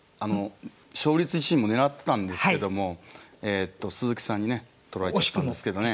勝率１位も狙ってたんですけども鈴木さんにね取られちゃったんですけどね。